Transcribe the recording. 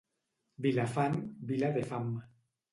Vilafant, vila de fam.